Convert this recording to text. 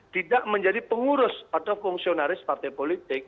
tidak menjadi pengurus atau fungsionaris partai politik